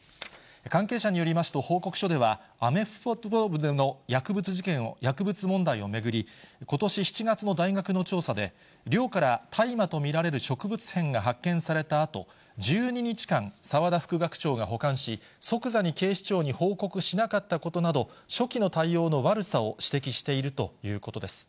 関係者によりますと報告書では、アメフト部での薬物問題を巡り、ことし７月の大学の調査で、寮から大麻と見られる植物片が発見されたあと、１２日、澤田副学長が保管し、即座に警視庁に報告しなかったことなど、初期の対応の悪さを指摘しているということです。